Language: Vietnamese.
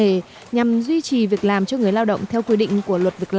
để đào tạo lại cho người lao động trong thời gian mất việc